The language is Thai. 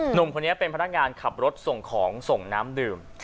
หนุ่มคนนี้เป็นพนักงานขับรถส่งของส่งน้ำดื่ม